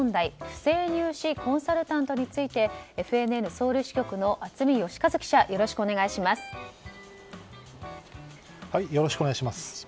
不正入試コンサルタントについてＦＮＮのソウル支局の熱海吉和記者よろしくお願いします。